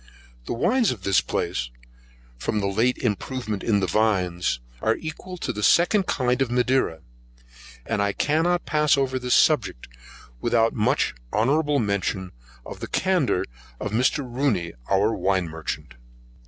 The wines of this place, from a late improvement in the vines, are equal to the second kind of Madeira, and I cannot pass over this subject without making honourable mention of the candour of Mr. Rooney our wine merchant.